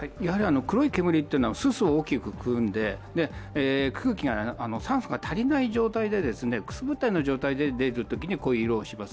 黒い煙はすすを大きく含んで、酸素、空気が足りない状態でくすぶったような状態で出るときに、こういう色をします。